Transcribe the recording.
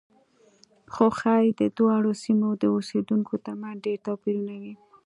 خو ښایي د دواړو سیمو د اوسېدونکو ترمنځ ډېر توپیرونه وي.